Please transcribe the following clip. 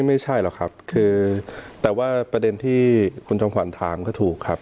ไม่ใช่หรอกครับคือแต่ว่าประเด็นที่คุณจอมขวัญถามก็ถูกครับ